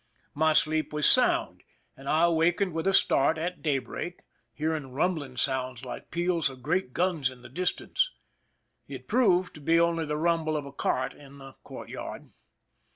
My sleep was sound, and I awakened with a start at daybreak, hearing rumbling sounds like peals of great guns in the distance. It proved to be only the rumble of a cart in the courtyard.